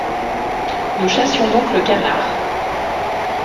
Nous chassions donc le canard…